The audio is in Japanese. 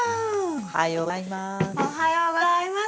おはようございます。